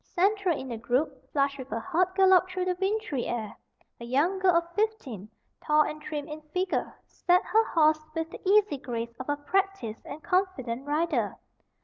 Central in the group, flushed with her hard gallop through the wintry air, a young girl of fifteen, tall and trim in figure, sat her horse with the easy grace of a practised and confident rider.